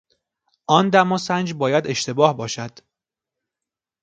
آن دماسنج باید اشتباه باشد.